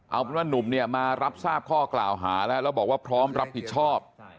เอาเป็นว่านุ่มเนี่ยมารับทราบข้อกล่าวหาแล้วแล้วบอกว่าพร้อมรับผิดชอบ